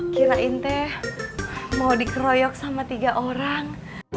kirain teh mau dikeroyok sama tiga orang